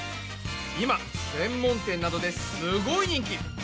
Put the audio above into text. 今専門店などですごい人気！